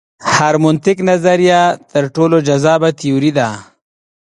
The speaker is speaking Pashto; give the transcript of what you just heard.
هرمنوتیک نظریه تر ټولو جذابه تیوري ده.